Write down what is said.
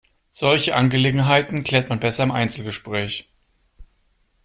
Solche Angelegenheiten klärt man besser im Einzelgespräch.